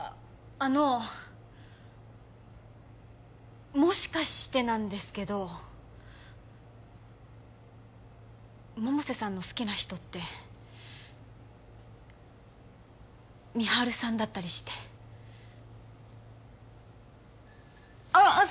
あのもしかしてなんですけど百瀬さんの好きな人って美晴さんだったりしてあっあっ